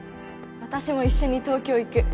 私も一緒に東京行く！